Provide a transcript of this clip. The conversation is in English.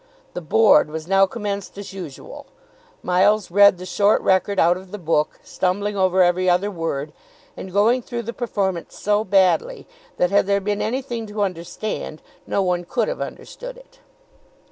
The "Board" was now commenced as usual. Miles read the short record out of the book, stumbling over every other word, and going through the performance so badly that had there been anything to understand no one could have understood it.